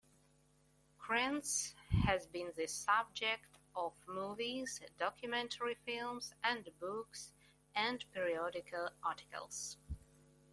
Kranz has been the subject of movies, documentary films, and books and periodical articles.